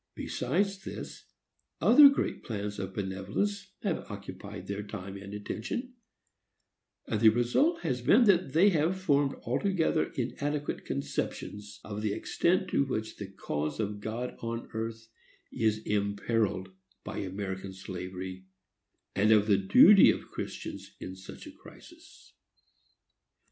Besides this, other great plans of benevolence have occupied their time and attention; and the result has been that they have formed altogether inadequate conceptions of the extent to which the cause of God on earth is imperilled by American slavery, and of the duty of Christians in such a crisis.